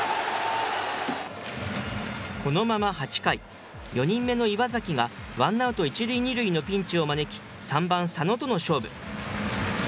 このまま８回、４人目の岩崎がワンアウト１塁２塁のピンチを招き、３番佐野との勝負。